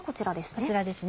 こちらですね。